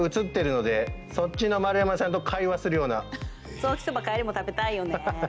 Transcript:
ソーキそば帰りも食べたいよね。